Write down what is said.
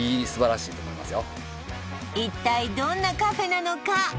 一体どんなカフェなのか？